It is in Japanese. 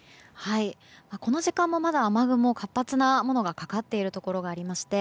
この時間もまだ雨雲は活発なものがかかっているところがありまして